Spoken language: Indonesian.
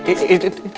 itu itu itu